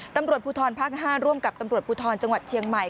ตำรวจภูทรภาค๕ร่วมกับตำรวจภูทรจังหวัดเชียงใหม่